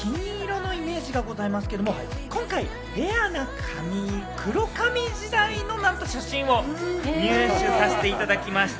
石田さんは金色のイメージがございますけど、今回レアな髪、黒髪時代の写真を入手させていただきました。